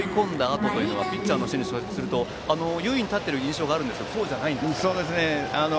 あとはピッチャーの心理からすると優位に立っている印象があるんですがそうじゃないんですか？